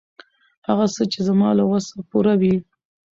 هغه څه، چې زما له وس پوره وي.